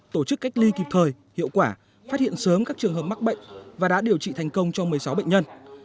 tổ chức cách ly kịp thời hiệu quả phát hiện sớm các trường hợp mắc bệnh và đã điều trị thành công cho một mươi sáu bệnh nhân